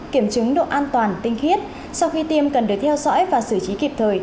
kiểm chứng độ an toàn tinh khiết sau khi tiêm cần được theo dõi và xử trí kịp thời